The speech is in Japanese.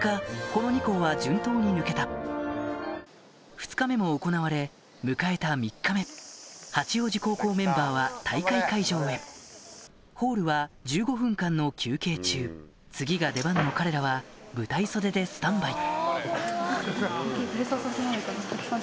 この２校は順当に抜けた２日目も行われ迎えた３日目八王子高校メンバーは大会会場へホールは１５分間の休憩中次が出番の彼らは舞台袖でスタンバイハァ。